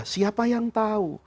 siapa yang tau